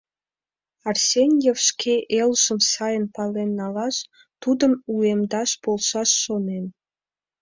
Арсеньев шке элжым сайын пален налаш, тудым уэмдаш полшаш шонен.